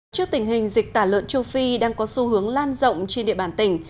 trước tình hình dịch tả lợn châu phi đang có xu hướng lan rộng trên địa bàn tỉnh